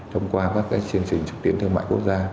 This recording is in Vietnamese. thông qua các chương trình xúc tiến thương mại quốc gia